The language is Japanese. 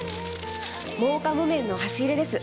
真岡木綿の箸入れです。